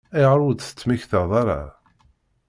Ayɣer ur d-temmektaḍ ara?